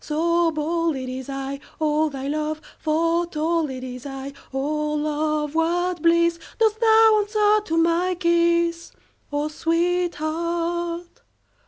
So bold! It is I—all thy love Foretold! 20 It is I—O love, what bliss! Dost thou answer to my kiss? O sweetheart!